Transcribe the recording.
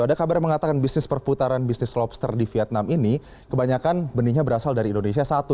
ada kabar yang mengatakan bisnis perputaran bisnis lobster di vietnam ini kebanyakan benihnya berasal dari indonesia satu